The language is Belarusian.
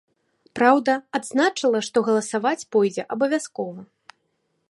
Праўда, адзначыла, што галасаваць пойдзе абавязкова.